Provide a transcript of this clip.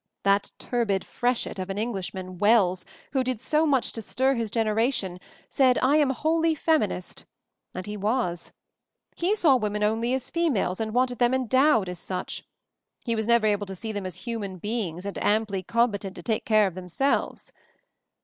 That turbid freshet of an Englishman, Wells, who did so much to stir his generation, said 106 MOVING THE MOUNTAIN 'I am wholly feminist' — and he was I He saw women only as females and wanted them endowed as such. He was never ahle to see them as human beings and amply competent to take care of themselves.